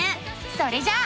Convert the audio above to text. それじゃあ。